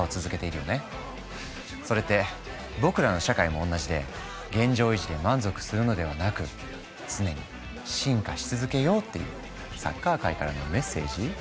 それって僕らの社会もおんなじで現状維持で満足するのではなく常に進化し続けようっていうサッカー界からのメッセージ？